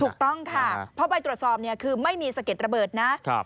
ถูกต้องค่ะเพราะว่าไปตรวจสอบคือไม่มีสังเกตระเบิดนะ